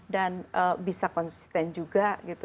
bisa konsisten juga gitu